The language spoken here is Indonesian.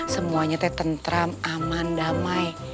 semuanya tetan teram aman damai